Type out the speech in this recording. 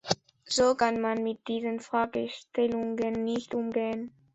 So kann man mit diesen Fragestellungen nicht umgehen.